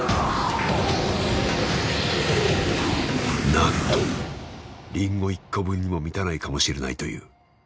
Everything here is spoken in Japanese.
なんとリンゴ１個分にも満たないかもしれないという。